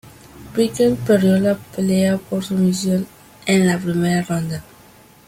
Pickett perdió la pelea por sumisión en la primera ronda.